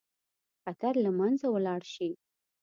خطر له منځه ولاړ شي.